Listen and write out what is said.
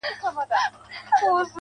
• زما په څېره كي، ښكلا خوره سي.